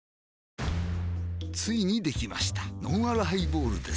ついにできましたのんあるハイボールです